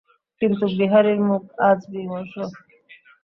কিন্তু বিহারীর মুখ আজ বিমর্ষ।